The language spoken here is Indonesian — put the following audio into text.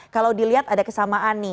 kalau dilihat ada kesamaan